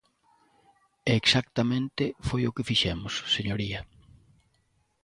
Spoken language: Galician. E exactamente foi o que fixemos, señoría.